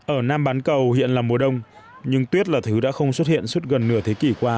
ở nam bán cầu hiện là mùa đông nhưng tuyết là thứ đã không xuất hiện suốt gần nửa thế kỷ qua